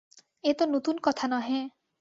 এ তো নূতন কথা নহে।